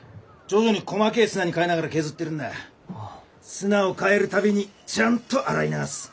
砂を変える度にちゃんと洗い流す。